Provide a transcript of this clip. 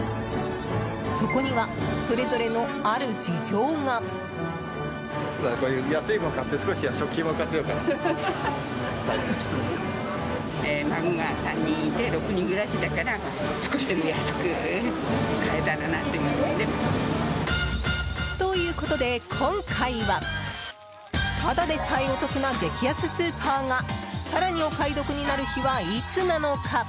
そこにはそれぞれのある事情が。ということで今回はただでさえお得な激安スーパーが更にお買い得になる日はいつなのか。